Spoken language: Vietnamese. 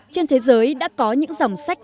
trên thế giới đã có những dòng sách